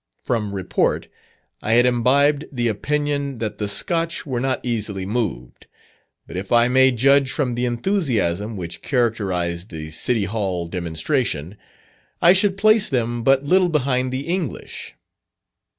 From report, I had imbibed the opinion that the Scotch were not easily moved, but if I may judge from the enthusiasm which characterised the City Hall demonstration, I should place them but little behind the English.